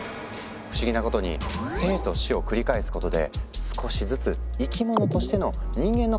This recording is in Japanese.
不思議なことに生と死を繰り返すことで少しずつ生き物としての人間の形を得ていくんだ。